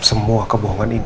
aku mau ketemu dengan anden